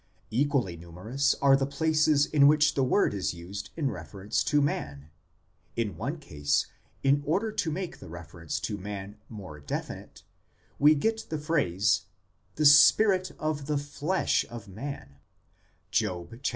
Equally numerous are the places in which the word is used in reference to man ; in one case, in order to make the reference to man more definite, we get the phrase, " the spirit of the flesh of man " (Job xii.